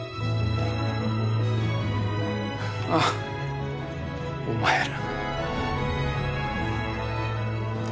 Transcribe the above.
ああお前ら。